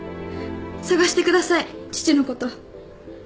捜してください父のこと。